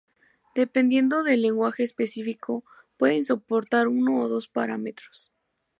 Dependiendo del lenguaje específico, puede soportar uno o dos parámetros.